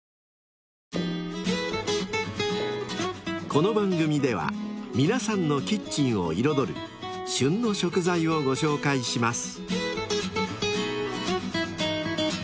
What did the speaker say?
［この番組では皆さんのキッチンを彩る「旬の食材」をご紹介します］